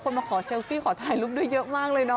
มาขอเซลฟี่ขอถ่ายรูปด้วยเยอะมากเลยเนาะ